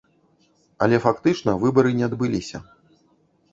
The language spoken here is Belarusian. Але фактычна выбары не адбыліся.